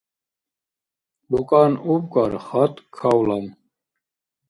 Лукӏан убкӏар, хатӏ кавлан